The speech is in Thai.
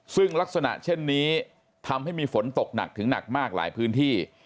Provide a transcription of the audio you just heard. ซึ่งลักษณะเช่นนี้ทำให้มีฝนตกหนักถึงหนักมากหลายพื้นที่